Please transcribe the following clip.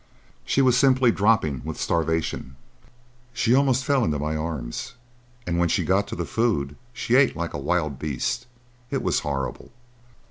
She was simply dropping with starvation. She almost fell into my arms, and when she got to the food she ate like a wild beast. It was horrible."